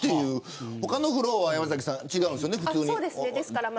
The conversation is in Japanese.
他のフロアは山崎さん、違うんですよね。